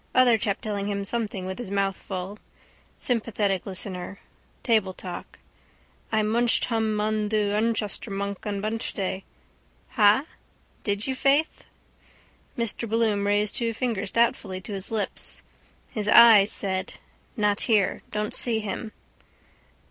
Other chap telling him something with his mouth full. Sympathetic listener. Table talk. I munched hum un thu Unchster Bunk un Munchday. Ha? Did you, faith? Mr Bloom raised two fingers doubtfully to his lips. His eyes said: —Not here. Don't see him.